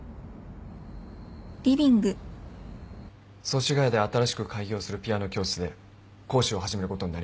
祖師谷で新しく開業するピアノ教室で講師を始めることになりました。